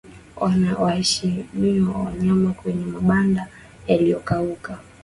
Wahamishe wanyama kwenye mabanda yaliyokauka